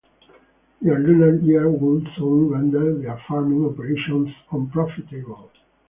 Their lunar year would soon render their farming operations unprofitable.